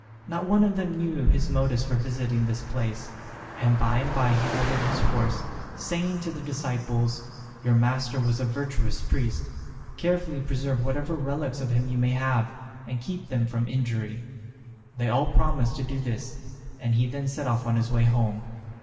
Not one of them knew his motives for visiting this place; and by and by he ordered his horse, saying to the disciples, "Your master was a virtuous priest. Carefully preserve whatever relics of him you may have, and keep them from injury." They all promised to do this, and he then set off on his way home.